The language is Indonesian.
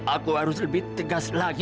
aku harus lebih tegas lagi